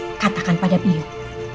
tapi katakan pada biung